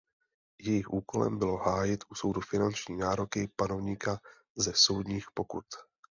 Jejich úkolem bylo hájit u soudu finanční nároky panovníka ze soudních pokut.